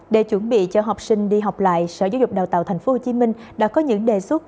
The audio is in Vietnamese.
để chuẩn bị cho học sinh đi học lại sở giáo dục đào tạo tp hcm đã có những đề xuất